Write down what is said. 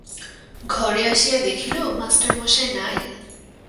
ঘরে আসিয়া দেখিল, মাস্টারমশায় নাই।